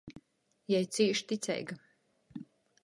Jei cīš ticeiga.